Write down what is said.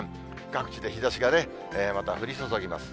各地で日ざしがまた降り注ぎます。